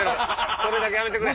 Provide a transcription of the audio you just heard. それだけはやめてくれ。